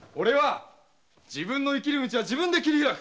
自分の道は自分で切り開く！